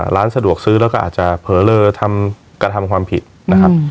ร้านสะดวกซื้อแล้วก็อาจจะเผลอเลอทำกระทำความผิดนะครับ